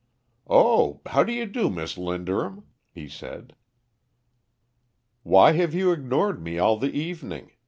"Oh, how do you do, Miss Linderham?" he said. "Why have you ignored me all the evening?"